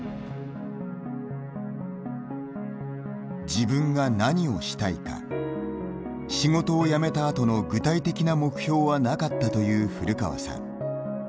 自分が何をしたいか仕事を辞めたあとの具体的な目標はなかったという古川さん。